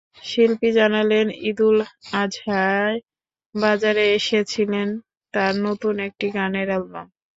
শিল্পী জানালেন, ঈদুল আজহায় বাজারে এসেছিল তাঁর নতুন একটি গানের অ্যালবাম।